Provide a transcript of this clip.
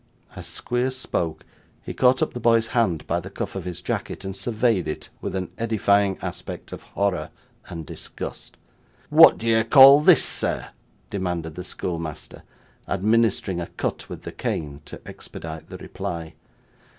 As Squeers spoke, he caught up the boy's hand by the cuff of his jacket, and surveyed it with an edifying aspect of horror and disgust. 'What do you call this, sir?' demanded the schoolmaster, administering a cut with the cane to expedite the reply.